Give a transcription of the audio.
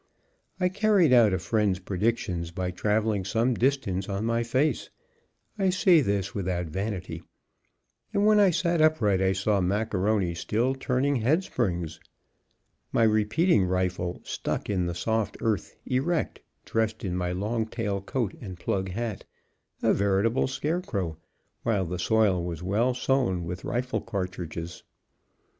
I carried out a friend's prediction by traveling some distance on my face; I say this without vanity. When I sat upright, I saw Macaroni still turning headsprings. My repeating rifle stuck in the soft earth erect, dressed in my long tail coat and plug hat, a veritable scarecrow, while the soil was well sown with rifle cartridges.